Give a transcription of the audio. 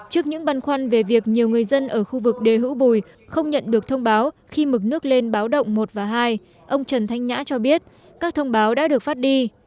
trước những băn khoăn về việc nhiều người dân ở khu vực đề hữu bùi không nhận được thông báo khi mực nước lên báo động một và hai ông trần thanh nhã cho biết các thông báo đã được phát đi